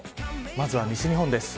まずは西日本です。